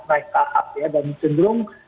naik ke atas dan cenderung